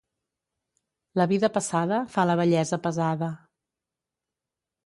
La vida passada fa la vellesa pesada.